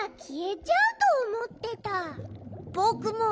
ぼくも。